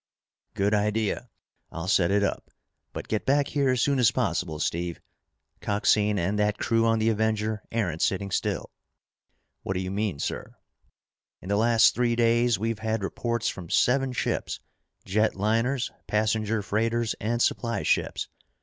"Good idea! I'll set it up. But get back here as soon as possible, Steve. Coxine and that crew on the Avenger aren't sitting still." "What do you mean, sir?" "In the last three days we've had reports from seven ships. Jet liners, passenger freighters, and supply ships.